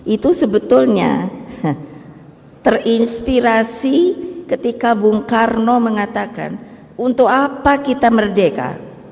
itu sebetulnya terinspirasi ketika bung karno mengatakan untuk apa kita merdeka